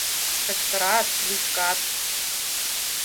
Кычкырат, лӱшкат: